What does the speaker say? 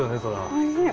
おいしい！